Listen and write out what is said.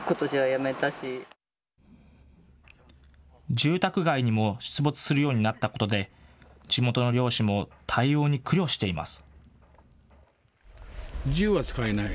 住宅街にも出没するようになったことで地元の猟師も対応に苦慮しています。